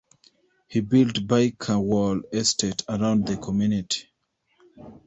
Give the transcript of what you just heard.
He built Byker Wall Estate around the community.